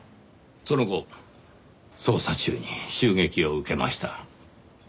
その後捜査中に襲撃を受けました。